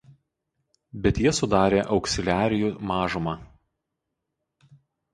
Bet jie sudarė auksiliarijų mažumą.